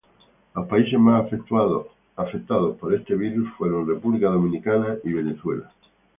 Los países más afectados por este virus fueron República Dominicana y Venezuela.